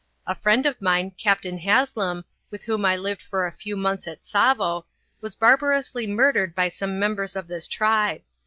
A friend of mine, Captain Haslem, with whom I lived for a few months at Tsavo, was barbarously murdered by some members of this tribe.